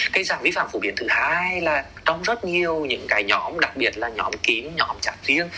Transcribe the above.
cái giảng vi phạm phổ biến thứ hai là trong rất nhiều những cái nhóm đặc biệt là nhóm kín nhóm trả tiền